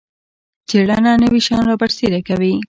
څیړنه نوي شیان رابرسیره کوي